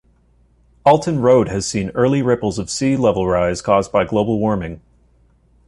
Alton Road has seen early ripples of sea level rise caused by global warming.